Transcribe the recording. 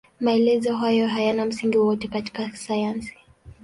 Maelezo hayo hayana msingi wowote katika sayansi.